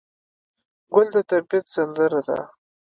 ګل د طبیعت سندره ده.